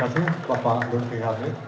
terima kasih bapak andung tri halim